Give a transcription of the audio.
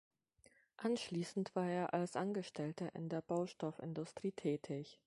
Anschließend war er als Angestellter in der Baustoffindustrie tätig.